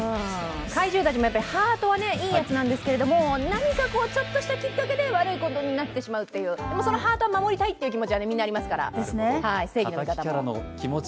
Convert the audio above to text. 怪獣たちもハートはいいやつなんですけど、何かこう、ちょっとしたきっかけで悪いことになってしまう、そのハートは守りたいという気持ちはみんなありますから、正義の味方も。